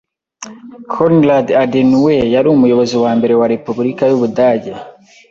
Konrad Adenauer yari umuyobozi wa mbere wa Repubulika y’Ubudage.